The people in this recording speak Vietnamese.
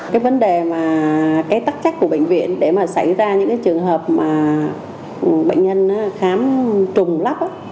cái vấn đề mà cái tắc chắc của bệnh viện để mà xảy ra những trường hợp mà bệnh nhân khám trùng